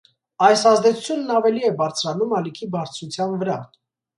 Այս ազդեցությունն ավելի է բարձրանում ալիքի բարձրության վրա։